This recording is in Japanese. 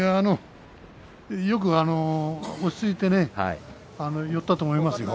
よく落ち着いてね寄ったと思いますよ。